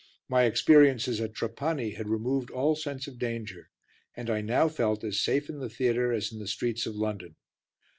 My experiences at Trapani had removed all sense of danger, and I now felt as safe in the theatre as in the streets of London.